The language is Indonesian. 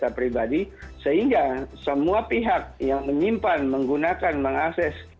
data pribadi sehingga semua pihak yang menyimpan menggunakan mengakses